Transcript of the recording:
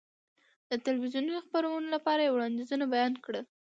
د تلویزیوني خپرونو لپاره یې وړاندیزونه بیان کړل.